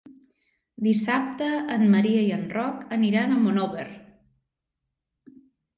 Dissabte en Maria i en Roc aniran a Monòver.